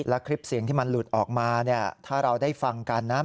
และคลิปเสียงที่มันหลุดออกมาเนี่ยถ้าเราได้ฟังกันนะ